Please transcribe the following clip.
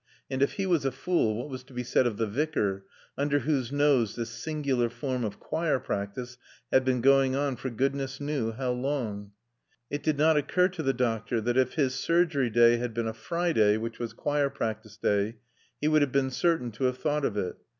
And if he was a fool, what was to be said of the Vicar, under whose nose this singular form of choir practice had been going on for goodness knew how long? It did not occur to the doctor that if his surgery day had been a Friday, which was choir practice day, he would have been certain to have thought of it.